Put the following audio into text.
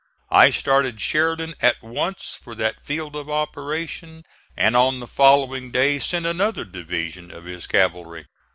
I started Sheridan at once for that field of operation, and on the following day sent another division of his cavalry.